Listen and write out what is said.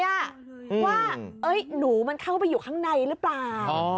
ว่าหนูมันเข้าไปอยู่ข้างในหรือเปล่า